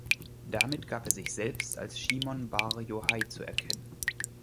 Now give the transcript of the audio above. Damit gab er sich selbst als Shimon Bar Yohai zu erkennen.